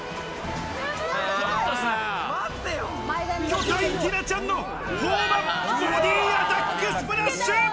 巨体ティナちゃんの豊満ボディアタックスプラッシュ！